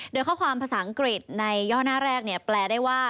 โดยข้อความภาษาอังกฤษในย่อหน้าแรกแปลได้ว่า